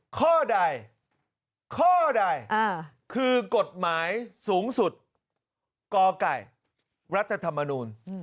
ข้อใดข้อใดคือกฎหมายสูงสุดกไก่รัฐธรรมนูล